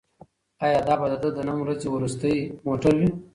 ایا دا به د ده د نن ورځې وروستی موټر وي؟